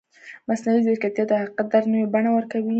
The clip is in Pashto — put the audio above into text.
مصنوعي ځیرکتیا د حقیقت درک نوې بڼه ورکوي.